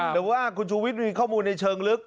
หรือว่าคุณชูวิทย์มีข้อมูลในเชิงลึก